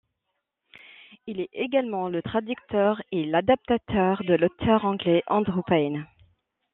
Il est également le traducteur et l'adaptateur de l'auteur anglais Andrew Payne.